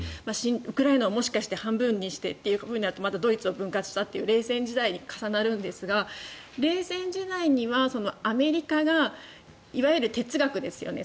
ウクライナをもしかしたら半分にしてまたドイツを分割したという冷戦時代に重なるんですが、冷戦時代にはアメリカがいわゆる哲学ですよね